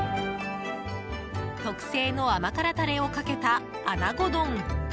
特製の甘辛タレをかけたあなご丼。